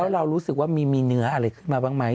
เรารู้สึกว่ามีเนื้ออะไรขึ้นมาบ้างไหม